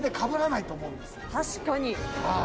確かに。